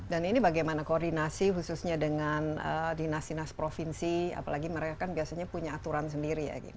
dan ini bagaimana koordinasi khususnya dengan dinas dinas provinsi apalagi mereka kan biasanya punya aturan sendiri ya gim